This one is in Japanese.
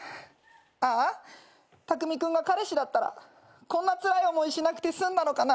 ああタクミ君が彼氏だったらこんなつらい思いしなくて済んだのかな。